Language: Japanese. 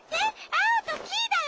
アオとキイだよ！